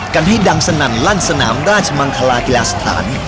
กันให้ดังสนั่นลั่นสนามราชมังคลากีฬาสถาน